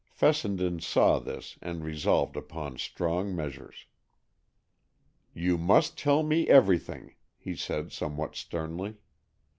Fessenden saw this, and resolved upon strong measures. "You must tell me everything," he said somewhat sternly.